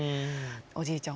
おじいちゃん